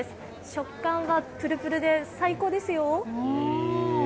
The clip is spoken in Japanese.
食感はぷるぷるで最高ですよ。